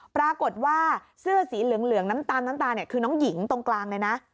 ปรากฏว่าเสื้อสีเหลืองน้ำตาลคือน้องหญิงตรงกลางเลยนะ